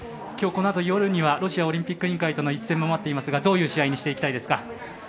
今日このあと夜にはロシアオリンピック委員会との一戦も待っていますがどういう試合にしていきたいですか？